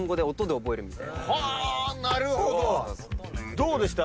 どうでした？